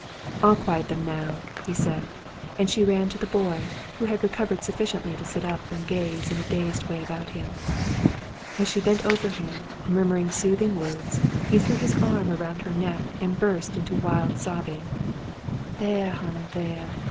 "I'll quiet them now," he said, and she ran to the boy, who had recovered sufficiently to sit up and gaze in a dazed way about him. As she bent over him, murmuring sooth ing words, he threw his arms around her neck and burst into wild sobbing. "There, honey, there